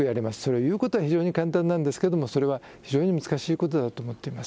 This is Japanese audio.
言うのは簡単なんですけれども、それは非常に難しいことだと思っています。